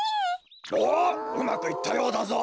おっうまくいったようだぞ。